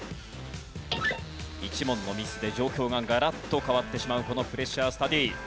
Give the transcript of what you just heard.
１問のミスで状況がガラッと変わってしまうこのプレッシャースタディ。